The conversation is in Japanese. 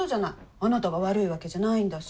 あなたが悪いわけじゃないんだし。